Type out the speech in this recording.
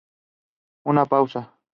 Una pausa".